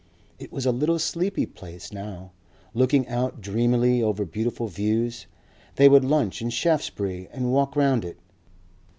It was a little sleepy place now, looking out dreamily over beautiful views. They would lunch in Shaftesbury and walk round it.